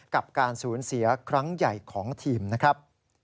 กับการสูญเสียครั้งใหญ่ของทีมนะครับ